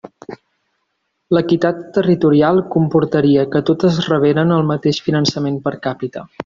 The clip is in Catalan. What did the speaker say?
L'equitat territorial comportaria que totes reberen el mateix finançament per càpita.